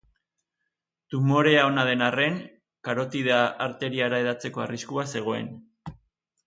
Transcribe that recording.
Tumorea ona den arren, karotida-arteriara hedatzeko arriskua zegoen.